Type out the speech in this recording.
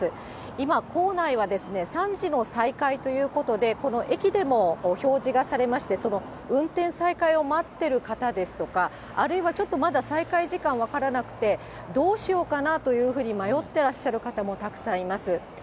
今、構内は３時の再開ということで、この駅でも表示がされまして、その運転再開を待ってる方ですとか、あるいはちょっとまだ再開時間が分からなくて、どうしようかなというふうに迷ってらっしゃる方もたくさんいます。